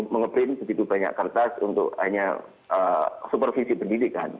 mengeprint begitu banyak kertas untuk hanya supervisi pendidikan